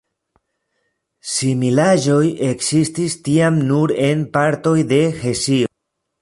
Similaĵoj ekzistis tiam nur en partoj de Hesio.